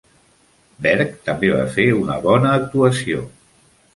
Berg també va fer una bona actuació.